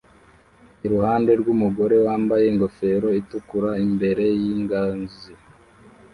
iruhande rw'umugore wambaye ingofero itukura imbere y'ingazi